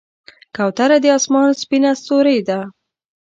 کوتره د آسمان سپینه ستورۍ ده.